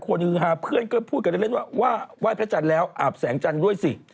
ฮือฮาเพื่อนก็พูดกันเล่นว่าว่าไหว้พระจันทร์แล้วอาบแสงจันทร์ด้วยสิ